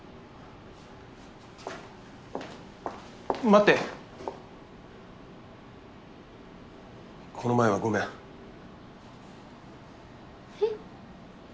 待ってこの前はごめんえっ？